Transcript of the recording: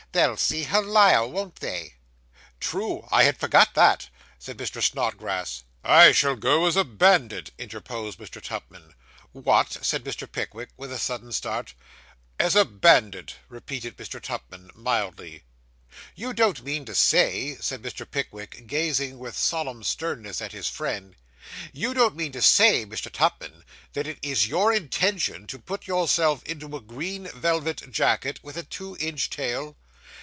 'They'll see her lyre, won't they?' 'True; I forgot that,' said Mr. Snodgrass. 'I shall go as a bandit,' interposed Mr. Tupman. 'What!' said Mr. Pickwick, with a sudden start. 'As a bandit,' repeated Mr. Tupman, mildly. 'You don't mean to say,' said Mr. Pickwick, gazing with solemn sternness at his friend 'you don't mean to say, Mr. Tupman, that it is your intention to put yourself into a green velvet jacket, with a two inch tail?